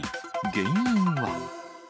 原因は？